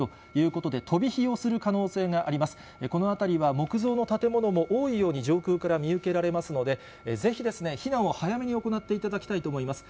この辺りは木造の建物も多いように上空から見受けられますので、ぜひ避難を早めに行っていただきたいと思います。